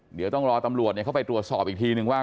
เดี๋ยวต้องรอตำรวจเข้าไปตรวจสอบอีกทีนึงว่า